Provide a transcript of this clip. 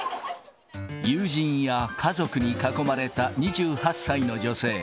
友人や家族に囲まれた２８歳の女性。